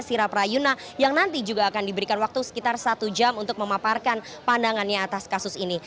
sira prayuna yang nanti juga akan diberikan waktu sekitar satu jam untuk memaparkan pandangannya atas kasus ini